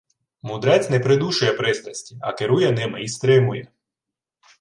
Мудрець не придушує пристрасті, а керує ними і стримує.